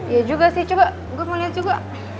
iya juga sih coba gue mau liat juga